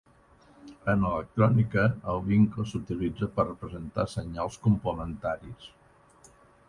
En electrònica, el vincle s'utilitza per representar senyals complementaris.